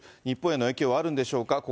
日本への影響はあるんでしょうか。